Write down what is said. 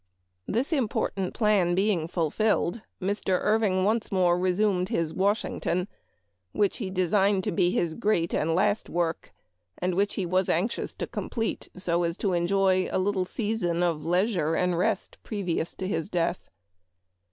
This important plan being fulfilled, Mr. Irving once more resumed his " Washington, " which he designed to be his great and last work, and which he was anxious to complete so as to enjoy a little season of leisure and rest previous to his death.